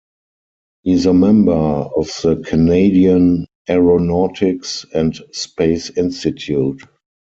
He is a member of the Canadian Aeronautics and Space Institute.